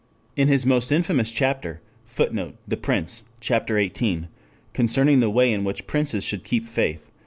In his most infamous chapter [Footnote: The Prince, Ch. XVIII. "Concerning the way in which Princes should keep faith."